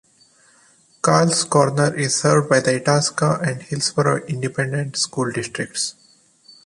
Carl's Corner is served by the Itasca and Hillsboro Independent School Districts.